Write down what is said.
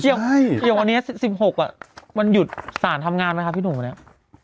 เดี๋ยววันนี้ที่๑๖มันหยุดศาลทำงานป่ะคะพี่หนูเนี่ย